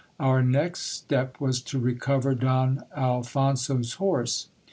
Our next step was to recover Don Alphonso's horse.